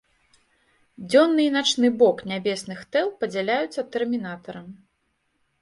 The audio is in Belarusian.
Дзённы і начны бок нябесных тэл падзяляюцца тэрмінатарам.